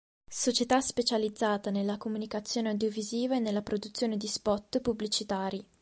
Società specializzata nella comunicazione audiovisiva e nella produzione di spot pubblicitari.